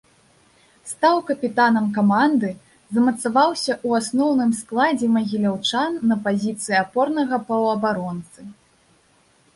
Стаў капітанам каманды, замацаваўся ў асноўным складзе магіляўчан на пазіцыі апорнага паўабаронцы.